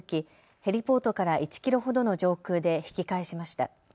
ヘリポートから１キロほどの上空で引き返しました。